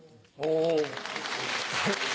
お。